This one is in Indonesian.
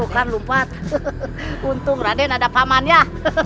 terima kasih juga diri relationalle